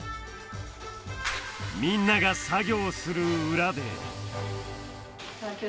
みんなが作業する裏で。